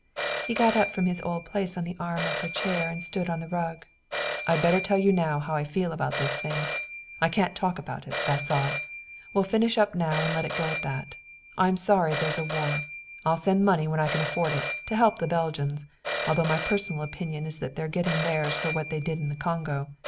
He got up from his old place on the arm of her chair and stood on the rug. "I'd better tell you now how I feel about this thing. I can't talk about it, that's all. We'll finish up now and let it go at that. I'm sorry there's a war. I'll send money when I can afford it, to help the Belgians, though my personal opinion is that they're getting theirs for what they did in the Congo.